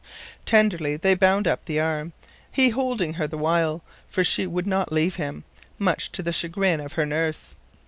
Tenderly they bound up the arm, he holding her the while, for she would not leave him, much to the chagrin of her nurse.